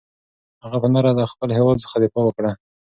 هغه په نره له خپل هېواد څخه دفاع وکړه.